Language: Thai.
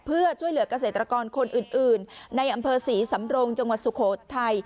เพื่อช่วยเหลือกเกษตรกรคนอื่นในอำเภอศรีสำรงจังหวัดสุโขทัย